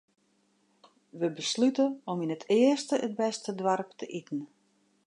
Wy beslute om yn it earste it bêste doarp te iten.